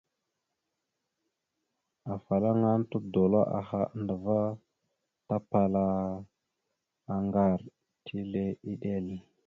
Afalaŋana tudola aha andəva, tapala aŋgar, tile eɗek.